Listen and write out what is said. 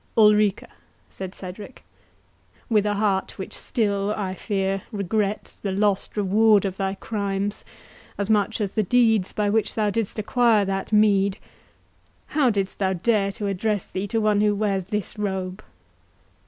"Ulrica," said Cedric, "with a heart which still, I fear, regrets the lost reward of thy crimes, as much as the deeds by which thou didst acquire that meed, how didst thou dare to address thee to one who wears this robe?